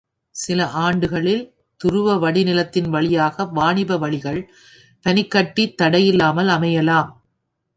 சில ஆண்டுகளில் துருவ வடிநிலத்தின் வழியாக வாணிப வழிகள், பனிக் கட்டித் தடையில்லாமல் அமையலாம்.